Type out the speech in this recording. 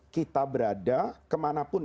kita berada kemanapun